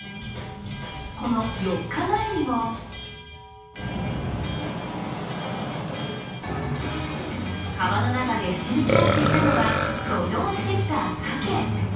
この４日前にも川の中でひしめき合っていたのは遡上してきたサケ。